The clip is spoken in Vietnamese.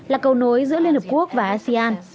là cầu nối giữa liên hợp quốc và asean